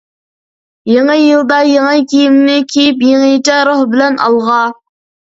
يېڭى يىلدا يېڭى كىيىمنى كىيىپ، يېڭىچە روھ بىلەن ئالغا!